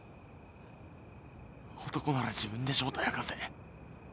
男なら自分で正体明かせ。